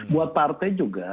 buat partai juga